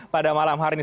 pada malam hari ini